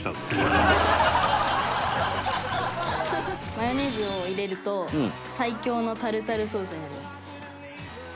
マヨネーズを入れると最強のタルタルソースになります。